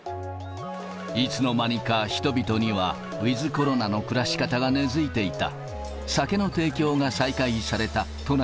いつの間にか人々にはウィズコロナの暮らし方が根づいていた。